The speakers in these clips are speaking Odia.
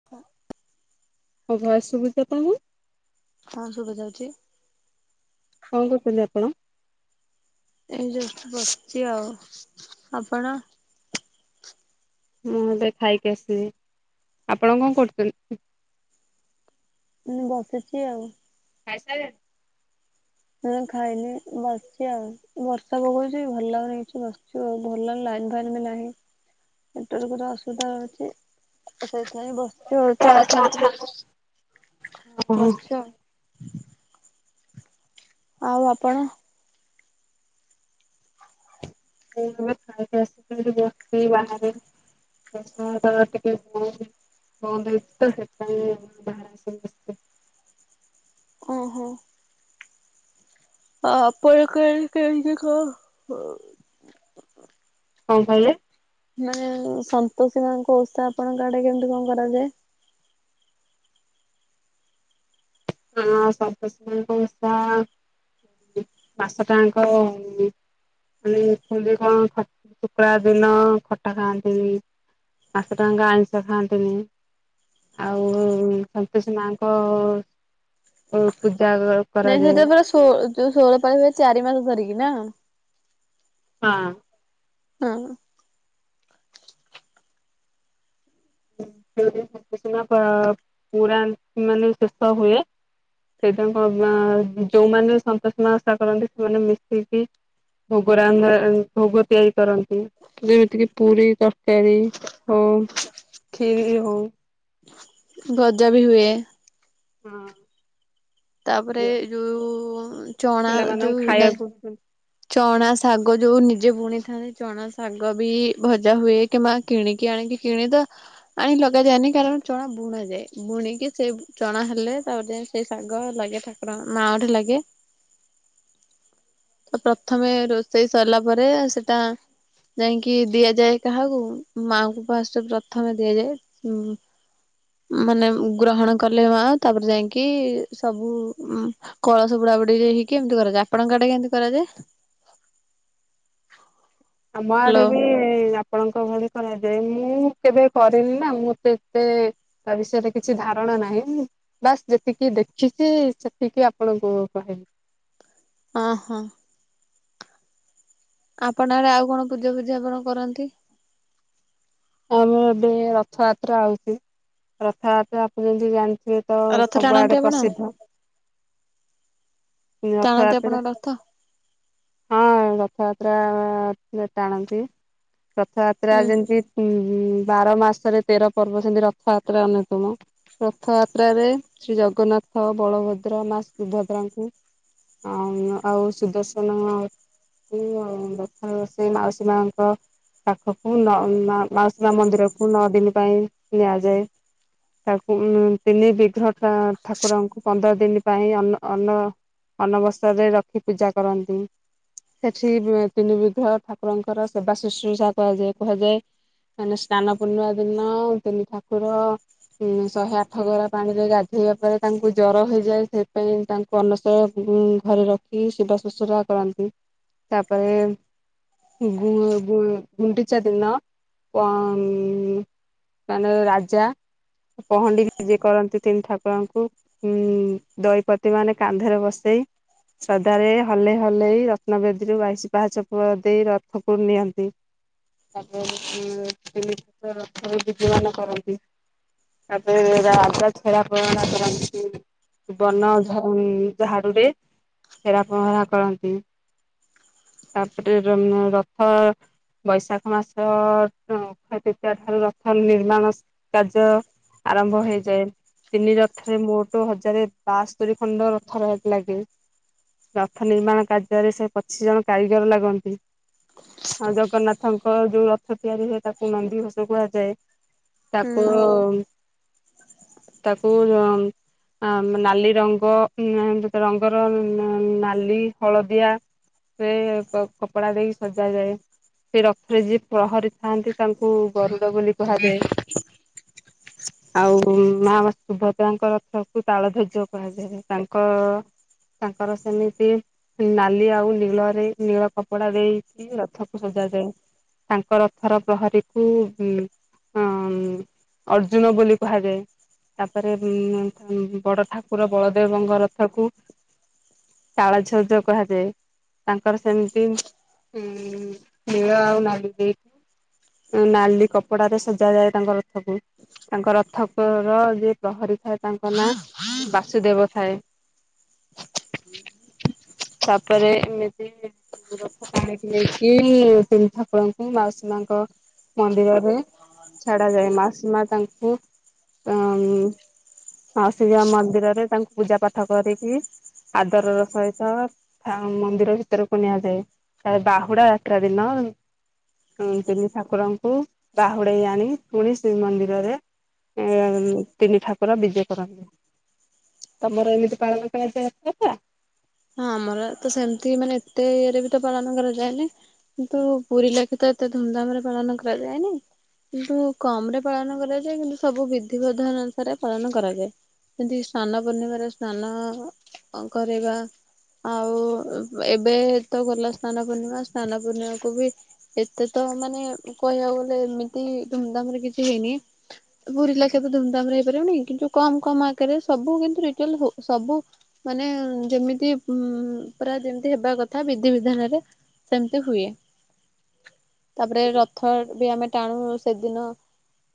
[unintelligible] ମୋ ଭଏସ୍ ଶୁଭୁଚିତ ତମକୁ‌? ହଁ ଶୁଭା ଯାଉଚି। କଣ କରୁଥୁଲେ ଆପଣ? ଏଇ ଜଷ୍ଟ ବସିଚି ଆଉ ଆପଣ? ମୁଁ ଏବେ ଖାଇକି ଆସିଲି ଆପଣ କଣ କରୁଚନ୍ତି? ମୁଁ ବସିଚି ଆଉ। ଖାଇ ସାରିଲଣି? ନାଁ ଖାଇନି ବସିଚି ଆଉ ବର୍ଷା ପକୋଉଚି ଭଲନାଗୁନି କିଛି ବସିଚି ଆଉ। ଭଲ ଲାଇନ୍‌ ଫାଇନ୍ ବି ନାହିଁ ନେଟ୍‌ୱର୍କ ଅସୁବିଧା ରହୁଚି ସେଇଥିାଇଁ ବସି ଚୋର୍ ଚାର୍ ଓହୋ। ବସିଚି ଆଉ। ଆଉ ଆପଣ? ମୁଁ ଏବେ ଖାଇକି ଆସିଚି ଏଇଠି ବସିଚି ବାହାରେ। [unintelligible] ବନ୍ଦ ହେଇଚିତ ସେଥିପାଇଁ ବାହାରେ ଆସିକି ବସିଚି। ଓହୋ। ଆଁ ଆପଣ କଣ ଖାଇଚ କଣ? କଣ କହିଲେ? ମାନେ ସନ୍ତୋଷୀ ମାଙ୍କ ଓଷା ଆପଣଙ୍କ ଆଡ଼େକେମିତି କଣ କରାଯାଏ? ହଁ ସନ୍ତୋଷୀ ମାଁଙ୍କ ଓଷା ମାସଟା ଆଙ୍କ ମାନେ ସ୍କୁଲରେ କଣ ଶୁକ୍ରବାର ଦିନ ଖଟା ଖାଆନ୍ତିନି। ମାସଟା ଆଙ୍କ ଆଇଁଷ ଖାନ୍ତିନି। ଆଉ ସନ୍ତୋଷୀମା ଙ୍କ ଅଁ ପୂଜା ଗ ନାଇଁ ସେଠ ପରା ଷୋ ଯୋଉ ଷୋଳପାଳି ହୁଏ ଚାରି ମାସ ଧରିକି ନା। ହଁ। ହଁ। [unintelligible] ସେନ୍ତୋଷୀମା ପା ପୁରା ମାନେ ଶେଷ ହୁଏ। ସେ ତାଙ୍କ ମା ଯଉମାନେ ସେନ୍ତୋଷୀମା ଓଷା କରନ୍ତି ସେମାନେ ମିଶିକି ଭୋଗ ରାନ୍ଧା ଭୋଗ ତିଆରି କରନ୍ତି। ଯେମିତିକି ପୁରୀ ତରକାରୀ ହଁ। କ୍ଷୀରି ହୋଉ। ଗଜାବି ହୁଏ। ହଁ। ତାପରେ ଯୋଉ ଚଣା ପିଲାମାନଙ୍କୁ ଯୋଉ ଡ଼ା ଖାଇବାକୁ ଚ଼ଣା ଶାଗ ଯୋଉ ନିଜେ ବୁଣିଥାନ୍ତି ଚ଼ଣା ଶାଗବି ଭଜା ହୁଏ। କିମ୍ବା କିଣିକି ଆଣିକି କିଣିତ ଆଣି ଲଗାଯାଏନି କାରଣ ଚଣା ବୁଣା ଯାଏ। ବୁଣିକି ସେ ଚଣା ହେଲେ ତାପରେ ଯାଇଁ ସେଇ ଶାଗ ଲାଗେ ଠାକୁର ମାଆଙ୍କ ଠେ ଲାଗେ। ତ ପ୍ରଥମେ ରୋଷେଇ ସରିଲା ପରେ ସେଟା ଯାଇଁକି ଦିଆଯାଏ କାହାକୁ ମାଙ୍କୁ ଫାଷ୍ଟରେ ପ୍ରଥମେ ଦିଆଯାଏ। ମାନେ ଗ୍ରହଣ କଲେ ମା ତାପରେ ଯାଇଁକି ସବୁ କଳସ ବୁଡାବୁଡି ହେଇକି ଏମତି କରାଯା ଆପଣଙ୍କ ଆଡ଼େ କେମତି? କରାଯାଏ? ଆମ ଆଡେ ହ୍ୟାଲୋ ବି ଆପଣଙ୍କ ଭଳି କରାଯାଏ ନି କେବେ କରିନି ନା ମୁଁ ଏତେ ତା ବିଷୟରେ କିଛି ଧାରଣା ନାହିଁ। ବାସ୍ ଯେତିକି ଦେଖିଛି ସେତିକି ଆପଣଙ୍କୁ କହିବି। ହଁ ହଁ। ଆପଣ ଆଡେ ଆଉ କଣ ପୂଜା ପୁଜି ଆପଣ କରନ୍ତି? ଆମର ଏବେ ରଥଯାତ୍ରା ଆଉଚି ରଥଯାତ୍ରା ଆପଣ ଯେମତି ଜାଣି ସେଏ ତ ରଥ ଟାଣନ୍ତି ସବୁଆଡେ ଆପଣ ପ୍ରସିଦ୍ଧ। ଟାଣନ୍ତି ଆପଣ ରଥଯାତ୍ରା। ରଥ ହଁ ରଥଯାତ୍ରା ଟାଣନ୍ତି ରଥଯାତ୍ରା ହୁଁ ଯେମିତି ହୁଁ ହୁଁ ବାର ମାସରେ ତେର ପର୍ବ ସେମିତି ରଥଯାତ୍ରା ଅନ୍ୟତମ। ରଥଯାତ୍ରାରେ ଶ୍ରୀ ଜଗନ୍ନାଥ ବଳଭଦ୍ର ମା ସୁଭଦ୍ରାଙ୍କୁ ଆଉ ଆଉ ସୁଦର୍ଶନ ଆ ହୁଁ ଆଉ ପ୍ରଥମେ ସେ ମାଉସୀ ମାଙ୍କ ପାଖକୁ ନ ମାଉସୀ ମା ମନ୍ଦିରକୁ ନଅ ଦିନ ପାଇଁ ନିଆଯାଏ। ତାକୁ ତିନି ବିଗ୍ରହ ଠାକୁରଙ୍କୁ ପନ୍ଦର ଦିନ ପାଇଁ ଅ ଅନ ଅନବସରରେ ରଖି ପୂଜା କରନ୍ତି। ସେଠି ତିନିବିଧ ଠାକୁରଙ୍କର ସେବା ଶୁଶ୍ରୂଷା କରାଯାଏ କୁହାଯାଏ। ମାନେ ସ୍ନାନ ପୂର୍ଣ୍ଣିମା ଦିନ ତିନି ଠାକୁର ଉ ଶହେ ଆଠ ଗରା ପାଣି ରେ ଗାଧେଇବା ପରେ ତାଙ୍କୁ ଜର ହେଇଯାଏ ସେଥିପାଇଁ ତାଙ୍କୁ ଅନଶ ଶ ଘରେ ରଖି ସେବା ଶୁଶ୍ରୁଶା କରନ୍ତି ତାପରେ ଗୁ ଗୁ ଗୁଣ୍ଡିଚା ଦିନ ପାନର ରାଜା ପହଣ୍ଡି ବିଜେ କରନ୍ତି ତିନି ଠାକୁରଙ୍କୁ ହୁଁ ଦଇପତି ମାନେ କାନ୍ଧରେ ବସେଇ। ଶ୍ରଧାରେ ହଲେଇ ହଲେଇ ରତ୍ନବେଦୀରୁ ବାଇଶି ପାହାଚପ ଦେଇ ରଥକୁ ନିଅନ୍ତି। ତାପରେ ତିନି ରଥରେ ବିଜ ମାନ କରନ୍ତି। ତାପରେ ରାଜା ଛେରା ପହଁରା କରନ୍ତି ବନ ଝ ଉ ଝାଡୁ ରେ ଛେରା ପହଁରା କରନ୍ତି। ତାପରେ ରଥ ବୈଶାଖ ମାସ ଅକ୍ଷୟ ତୃତୀୟ ଠାରୁ ରଥ ନିର୍ମାଣ କାର୍ଯ୍ୟ ଆରମ୍ଭ ହେଇଯାଏ ତିନି ରଥରେ ମୋଟ ହଜାରେ ବା ଆସ୍ତରୀ ରୀ ଖଣ୍ଡ ରଥ ରହ ଲାଗେ। ରଥ ନିର୍ମାଣ କାର୍ଯ୍ୟରେ ସେ ପଚିଶି ଜଣ କାରିଗର ଲାଗନ୍ତି। ହଁ ଜଗନ୍ନାଥଙ୍କ ଯୋଉ ରଥ ତିଆରି ହୁଏ ତାକୁ ନନ୍ଦୀ ଘୋଷ କୁହାଯାଏ। ହୁଁ ତାକୁ ତାକୁ ନାଲି ରଙ୍ଗ ଉ ରଙ୍ଗର ନା ନାଲି ହଳଦିଆ ସେ କପଡା ଦେଇକି ସଜାଯାଏ। ସେ ରଥରେ ଯିଏ ପ୍ରହରୀ ଥାନ୍ତି ତାଙ୍କୁ ଗରୁଡ଼ ବୋଲି କୁହାଯାଏ। ଆଉ ମା ସୁଭଦ୍ରାଙ୍କ ରଥ କୁ ତାଳଧ୍ୱଜ କୁହାଯାଏ ତାଙ୍କ ତାଙ୍କର ସେମିତି ନାଲି ଆଉ ନୀଳରେ ନୀଳ କପଡା ଦେଇକି ରଥକୁ ସଜାଯାଏ ତାଙ୍କ ରଥର ପ୍ରହରୀକୁ ହଁ ଅର୍ଜୁନ ବୋଲି କୁହାଯାଏ ତାପରେ ଉଁ ବଡ଼ ଠା ପୁରା ବଳଦେବଙ୍କ ରଥକୁ ତାଳଛଜ କୁହାଯାଏ ତାଙ୍କର ସେମିତି ହୁଁ ନୀଳ ଆଉ ନାଲି ଦେଇ ନାଲି କପଡାରେ ସଜାଯାଏ ତାଙ୍କ ରଥକୁ। ତାଙ୍କ ରଥ ପ୍ର ର ଯିଏ ପ୍ରହରୀ ଥାଏ ତାଙ୍କ ନାଁ ବାସୁଦେବ ଥାଏ। ହୁଁ। ତାପରେ ଏମିତି ରଥ ଟାଣିକି ନେଇକି ତିନି ଠାକୁରଙ୍କୁ ମାଉସୀ ମାଙ୍କ ମନ୍ଦିରରେ ଛାଡାଯାଏ ମାଉସୀ ମା ତାଙ୍କୁ ଉଁ ମାଉସି ମା ମନ୍ଦିରରେ ତାଙ୍କୁ ପୂଜା ପାଠ କରିକି ଆଦର ର ସହିତ ଥା ମନ୍ଦିର ଭିତରକୁ ନିଆଯାଏ। ଆ ଏ ବାହୁଡା ଯାତ୍ରା ଦିନ ଆଉ ତିନି ଠାକୁରଙ୍କୁ ବାହୁଡେଇ ଆଣି ପୁଣି ଶ୍ରୀମନ୍ଦିରରେ ଏ ଆ ତିନି ଠାକୁର ବିଜେ କରନ୍ତି। ତମର ଏମିତି ପାଳନ କରାଯାଏ ରଥଯାତ୍ରା? ହଁ ଆମର ତ ସେମିତି ମାନେ ଏତେ ଇଏରେ ବି ତ ପାଳନ କରାଯାଏନି। କିନ୍ତୁ ପୁରୀ ଲାଖେ ତ ଏତେ ଧୁମଧାମ୍ ରେ ପାଳନ କରାଯାଏନି। କିନ୍ତୁ କମ୍ ରେ ପାଳନ କରାଯାଏ କିନ୍ତୁ ସବୁ ବିଧି ବଧାନ ଥରେ ପାଳନ କରାଯାଏ ଯେମିତି ସ୍ନାନ ପୂର୍ଣ୍ଣିମାରେ ସ୍ନାନ କରିବା। ଆଉ ଏବେ ତ ଗଲା ସ୍ନାନ ପୂର୍ଣ୍ଣିମା ସ୍ନାନ ପୂର୍ଣ୍ଣିମାକୁ ବି ଏତେ ତ ମାନେ କହିବାକୁ ଗଲେ ଏମିତି ଧୁମ୍ ଧାମ୍ ରେ କିଛି ହେଇନି। ପୁରୀ ଲାଖେ ତ ଧୁମଧାମ୍ ରେ ହେଇପାରିବନି କିନ୍ତୁ କମ୍ କମ୍ ଆକାରରେ ସବୁ କିନ୍ତୁ ଡିଟେଲ୍ ହୋଉ ସବୁ ମାନେ ଯେମିତି ହୁଁ ପୁରା ଯେମତି ହେବା କଥା ବିଧି ବିଧାନରେ ସେମିତି ହୁଏ। ତାପରେ ରଥ ବି ଆମେ ଟାଣୁ ସେଦିନ।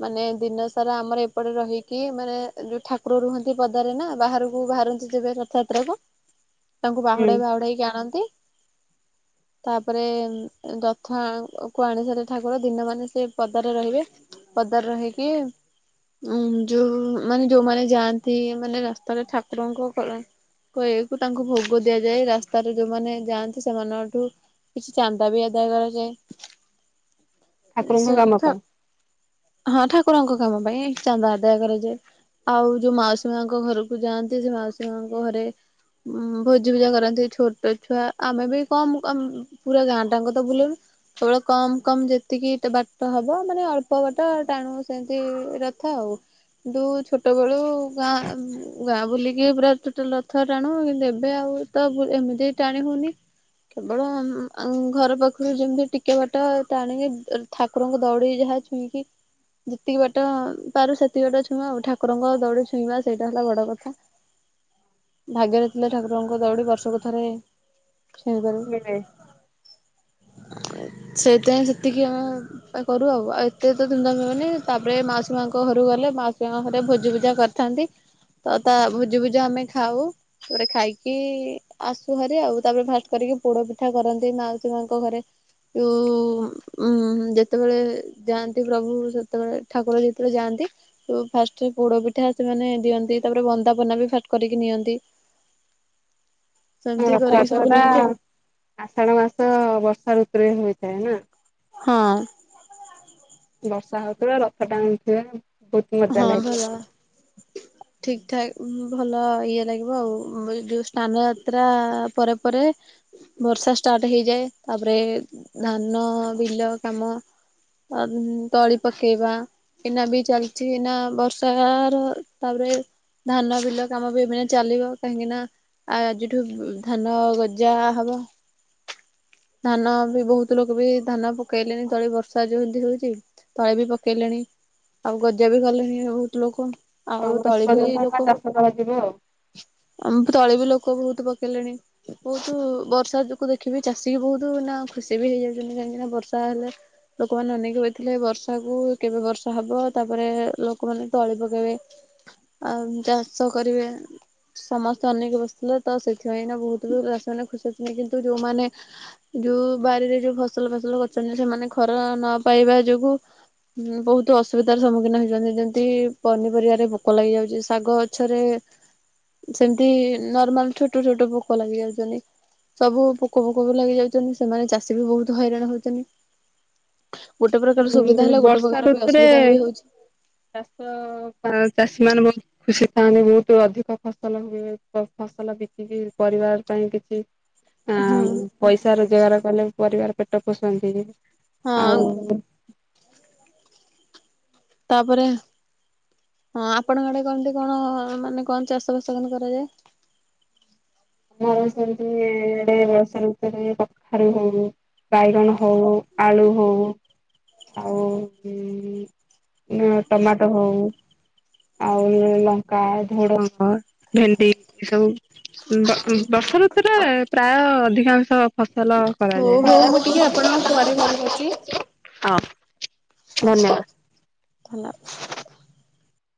ମାନେ ଦିନ ସାରା ଆମର ଏପଟେ ରହିକି ମାନେ ଯୋଉ ଠାକୁର ରୁହନ୍ତି ପଦାରେ ନା ବାହାରକୁ ବାହାରନ୍ତି। ଯିବେ ରଥଯାତ୍ରାକୁ ତାଙ୍କୁ ହୁଁ ବାହୁଡ଼ାଇ ବାହୁଡ଼ାଇକି ଆଣନ୍ତି। ତାପରେ ଦଥ କୁ ଆଣି ସାରି ଠାକୁର ଦିନ ମାନେ ସେ ପଦାରେ ରହିବେ। ପଦାରେ ରହିକି ଉଁ ଯୋଉ ମାନେ ଯୋଉମାନେ ଯାଆନ୍ତି ମାନେ ରାସ୍ତାରେ ଠାକୁରଙ୍କ କ ହୋଏକୁ ତାଙ୍କୁ ଭୋ ବୋ ଦିଆଯାଏ ରାସ୍ତାରେ ଯୋଉମାନେ ଯାଆନ୍ତି ସେମାନଙ୍କ ଠୁ କିଛି ଚାନ୍ଦା ବି ଆଦାୟ କରାଯାଏ। ଏ ଠାକୁରଙ୍କ ସେ କାମ ଥ ପାଇଁ ହଁ ଠାକୁରଙ୍କ କାମ ପାଇଁ ଚାନ୍ଦା ଆଦାୟ କରାଯାଏ। ଆଉ ଯୋଉ ମାଉସୀ ମାଙ୍କ ଘରକୁ ଯାଆନ୍ତି ସେ ମାଉସୀ ମାଙ୍କ ଘରେ ଉଁ ଭୋଜି ଭୁଜା କରନ୍ତି ଛୋଟ ଛୁଆ ଆମେ ବି କମ୍ କମ୍ ପୁରା ଗାଁ ଟାଆଙ୍କ ତ ବୁଲୁଲୁ। ଅଳ କମ୍ କମ୍ ଯେତିକି ତେ ବାଟ ହବ ମାନେ ଅଳ୍ପ ବାଟ ଟାଣୁ ସେମିତି ରଥ ଆଉ। ଦୁ ଛୋଟ ବେଳୁ ଗାଁ ଗାଁ ବୁଲିକି ପୁରା ଟୋଟାଲ୍ ରଥ ଟାଣୁ କିନ୍ତୁ ଏ ଏବେ ଆଉ ତ ଏମିତି ଟାଣି ହଉନି। କେବଳ ଉଁ -ଆଁ ଘର ପାଖରୁ ଯେମିତି ଟିକେ ବାଟ ଟାଣିକି ଠାକୁରଙ୍କ ଦଉଡି ଯାହା ଛୁଇଁକି ଯେତିକି ବାଟ ପାରୁ ସେତିକି ବାଟ ଛୁଇଁବା ଆଉ ଠାକୁରଙ୍କ ଦଉଡ଼ି ଛୁଇଁବା ସେଇଟା ହେଲା ବଡ଼ କଥା। ଭାଗ୍ୟର ଥିଲେ ଠାକୁରଙ୍କ ଦଉଡ଼ି ବର୍ଷକୁ ଥରେ ଛୁଇଁ ମିଳେ। ପାରିବ। ସେଇଥିପାଇଁ ସେତିକି ଆଉ କରୁ ଆଉ -ଆଉ ଏତେ ତ ଧୁମଧାମ୍ ହୁଏନି ତାପରେ ମାଉସୀ ମାଙ୍କ ଘରକୁ ଗଲେ ମାଉସୀ ମାଙ୍କ ଘରେ ଭୋଜିଭୁଜା କର୍ ଥାନ୍ତି ତ ତା ଭୋଜି ଭୁଜି ଆମେ ଖାଉ। ତାପରେ ଖାଇକି ଆସୁ ଘରେ ଆଉ ତାପରେ ଫାଷ୍ଟ କରିକି ପୋଡ ପିଠା କରନ୍ତି ମାଉୀ ମାଙ୍କ ଘରେ। ତ ଉ ଯେତେବେଳେ ଯାଆନ୍ତି ପ୍ରଭୁ ସେତେବେଳେ ଠାକୁର ଯେତବେଳେ ଯାଆନ୍ତି। ଫାଷ୍ଟ ପୋଡ ପିଠା ସେମାନେ ଦିଅନ୍ତି ତାପରେ ବନ୍ଦାପନା ବି ଫାଷ୍ଟ କରିକି ନିଅନ୍ତି। ସେମିତି କରିକି ରଥଯାତ୍ର ସବୁ ଟା ନିଅନ୍ତି ଆଷାଢ ମାସ ବର୍ଷା ଋତୁରେ ହୋଇଥାଏ ନା? ହଁ। ବର୍ଷା ହଉଥିବ ରଥ ଟାଣୁଥିବେ। ହଁ ଭଲ। ହ [unintelligible] ଠିକ ଠାକ୍ ଭଲ ଇଏ ଲାଗିବ ଆଉ ଯୋଉ ସ୍ଥନାନ ଯାତ୍ରା ପରେ ପରେ ବର୍ଷା ଷ୍ଟାର୍ଟ ହେଇଯାଏ ତାପରେ ଧାନ ବିଲ କାମ ଆ ତଳି ପକେଇବା ଏନା ବି ଚାଲି କିଛି ନା ବର୍ଷା ର ତାପରେ ଧାନ ବିଲ କାମ ବି ଏମାନେ ଚାଲିବ କାହିଁକି ନା ଆଉ ଆଜିଠୁ ଧାନ ଗଜା ହବ। ଧାନ ବି ବହୁତ ଲୋକ ବି ଧାନ ପକେଇଲେଣିି ତଳି ବର୍ଷା ଯଉ ଏମିତି ହଉଛି। ତଳେ ବି ପକେଇଲେଣି ଆଉ ଗଜା ବି ଗଲେଣି ବହୁତ ଲୋକ ଛଅ ଆଉ ମାସ ତଳି ବି ପର୍ଯ୍ୟନ୍ତ ଆ ଲୋକ ଚାଷ କରାଯିବ ଆଉ। ଆମ ତଳେ ବି ଲୋକ ବହୁତ ପକେଇଲେଣି ବହୁତ ବର୍ଷା ଯକୁ ଦେଖିବି ଚାଷ ସେ ବହୁତ ନା ଖୁସି ବି ହେଇଯାଉଛନ୍ତି କାହିଁକି ନା ବର୍ଷା ହେଲେ ଲୋକମାନେ ଅନେକି କହିଥିଲେ ବର୍ଷାକୁ କେବେ ବର୍ଷା ହବ ତାପରେ ଲୋକମାନେ ତଳି ପକାଇବେ। ଆଉ ଚାଷ କରିବେ। ସମସ୍ତେ ଅନେକ ବସିଥିଲେ ତ ସେଥିପାଇଁ ନା ବହୁତ ଚାଷୀ ମାନେ ଖୁସି ଅଥିଲେ କିନ୍ତୁ ଯୋଉମାନେ ଯୋଉ ବାାରିରେ ଯୋଉ ଫସଲ ଫସଲ କରିଛନ୍ତି ସେମାନେ ଖର ନ ପାଇବା ଯୋଗୁ ହୁଁ ବହୁତ ଅସୁବିଧାର ସମ୍ମୁଖୀନ ହେଇଛନ୍ତି ଯେମିତି ପନିପରିବାାରେ ପୋକ ଲାଗି ଯାଉଛି ଶାଗ ପଛରେ ସେମତି ନର୍ମାଲ ଛୋଟ ଛୋଟ ପୋକ ଲାଗି ଯାଉଛନ୍ତି ସବୁ ପୋକ କୋବୁ କୋବୁ ଲାଗି ଯାଉଛନ୍ତି ସେମାନେ ଚାଷୀ ବି ବହୁତ ହଇରାଣ ହଉଛନ୍ତି। ଗୋଟେ ପ୍ରକାର ସୁବିଧା ହୁଁ ହେଲା ଗୋଟେ ବର୍ଷା ପ୍ରକାର ବି ଋତୁରେ ଅସୁବିଧା ହୁଏ ହଉଛି। ଚାଷ ଚାଷୀ ମାନ ବହୁତ ଖୁସି ଥାନ୍ତି ବହୁତ ଅଧିକ ଫସଲ ହୁଏ ଫସଲ ବି ପରିବାର ପାଇଁ କିଛି ଆ ହୁଁ। ପଇସା ରୋଜଗାର କଲେ ପରିବାର ପେଟ ପୋଷନ୍ତି ଯେ ହଁ। ତାପରେ ହଁ ଆପଣଙ୍କ ଆଡ଼େ କେମତି କଣ ମାନେ କଣ ଚାଷ ବାସ କରାଯାଏ? ଆମର ସେମତି ଆଡ଼େ ବର୍ଷ ଋତୁରେ କଖାରୁ ହଉ ବାଇଗଣ, ହଉ, ଆଳୁ, ହଉ ଆଉ [unintelligible] ଟମାଟୋ ହଉ ଆଉ ଲଙ୍କା ଧୁଡ଼ଙ୍ଗ ଭେଣ୍ଡି ଏ ସବୁ ବ ବର୍ଷା ଋତୁଟା ପ୍ରାୟ ଅଧିକାଂଶ ଫସଲ ହଉ କରାଯାଏ ହଉ ମୁଁ ଟିକେ ଆପଣଙ୍କୁ ପରେ କଲ୍ ହ। ହଁ ଧଲା